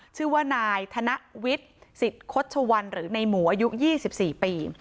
ชื่อว่านายธนวิทย์สิทธิ์คดชวันหรือในหมูอายุ๒๔ปี